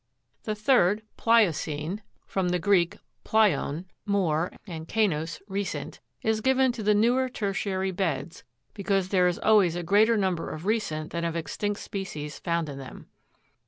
The third, PLIOCENE (from the Greek, pleibn, more, and kainos, recent), is given to the newer tertiary beds, because there is always a greater number of recent than of extinct species found in them.